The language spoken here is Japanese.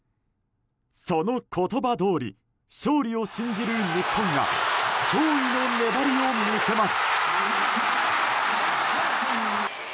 その言葉どおり勝利を信じる日本が驚異の粘りを見せます。